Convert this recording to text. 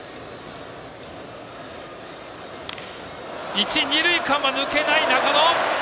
一、二塁間は抜けない！